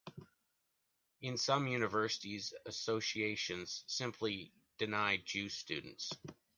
In some universities, Associations simply deny Jew students.